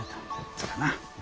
そうだな。